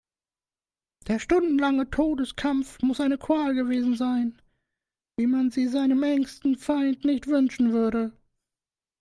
Der stundenlange Todeskampf muss eine Qual gewesen sein, wie man sie seinem ärgsten Feind nicht wünschen würde.